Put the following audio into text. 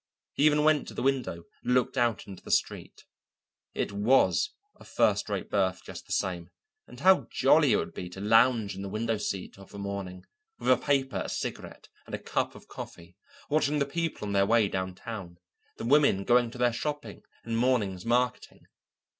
He even went to the window and looked out into the street. It was a first rate berth just the same, and how jolly it would be to lounge in the window seat of a morning, with a paper, a cigarette, and a cup of coffee, watching the people on their way downtown; the women going to their shopping and morning's marketing.